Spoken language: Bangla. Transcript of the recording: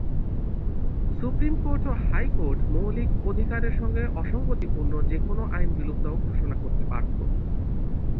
সুপ্রিমকোর্ট ও হাইকোর্ট মৌলিক অধিকারের সঙ্গে অসঙ্গতিপূর্ণ যেকোন আইন বিলুপ্ত ঘোষণা করতে পারত।